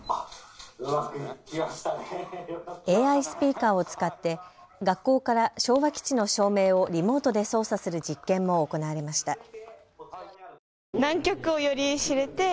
ＡＩスピーカーを使って学校から昭和基地の照明をリモートで操作する実験も行われました。